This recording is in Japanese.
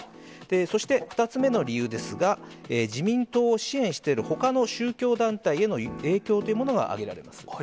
そして、２つ目の理由ですが、自民党を支援している、ほかの宗教団体への影響というものが挙げられます。